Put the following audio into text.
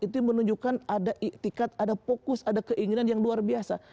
itu menunjukkan ada iktikat ada fokus ada keinginan yang luar biasa